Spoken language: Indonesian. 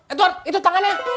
edward itu tangannya